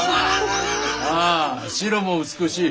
ああ白も美しい。